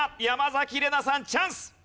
山崎怜奈さんチャンス。